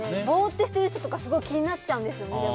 ボーッとしてる人とか気になっちゃうんですよね。